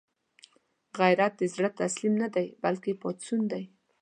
غیرت د زړه تسلیم نه دی، بلکې پاڅون دی